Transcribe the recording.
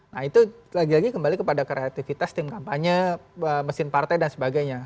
nah itu lagi lagi kembali kepada kreativitas tim kampanye mesin partai dan sebagainya